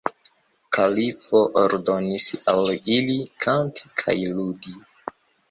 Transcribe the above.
Kalifo ordonis al ili kanti kaj ludi.